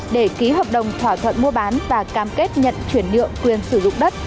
để ký hợp đồng thỏa thuận mua bán và cam kết nhận chuyển nhượng quyền sử dụng đất